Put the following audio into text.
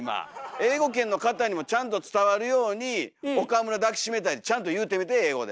英語圏の方にもちゃんと伝わるように「岡村抱き締めたい」ってちゃんと言うてみて英語で。